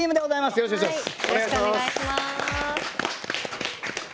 よろしくお願いします。